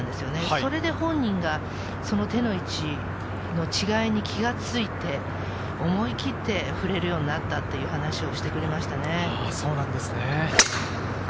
それで本人が手の位置の違いに気が付いて思い切って振れるようになったと話してくれました。